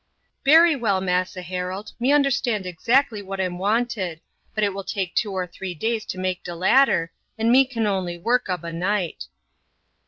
"Bery well, Massa Harold, me understand exactly what's wanted; but it'll take two or t'ree days to make de ladder, and me can only work ob a night."